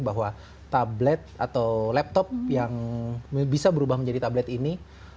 bahwa tablet atau laptop yang bisa berubah menjadi tablet ini